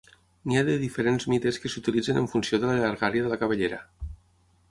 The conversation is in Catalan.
N'hi ha de diferents mides que s'utilitzen en funció de la llargària de la cabellera.